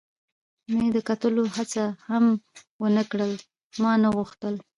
مې د کتلو هڅه هم و نه کړل، ما نه غوښتل.